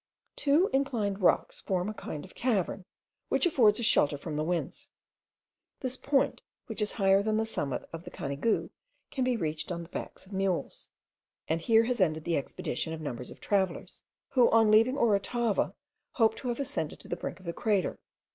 Two inclined rocks form a kind of cavern, which affords a shelter from the winds. This point, which is higher than the summit of the Canigou, can be reached on the backs of mules; and here has ended the expedition of numbers of travellers, who on leaving Orotava hoped to have ascended to the brink of the crater.